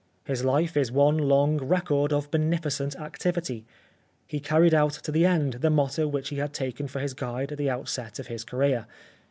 His life is one long record of beneficent activity. He carried out to the end the motto which he had taken for his guide at the outset of his career.